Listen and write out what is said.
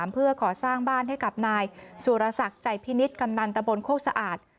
เพื่อก่อสร้างบ้านให้กับนายสุรศักดิ์ใจพินิษฐ์กำนันตะบนโคกสะอาด